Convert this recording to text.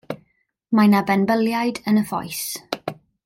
Mae 'na benbyliaid yn y ffoes.